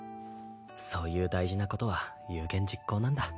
そういう大事なことは有言実行なんだ。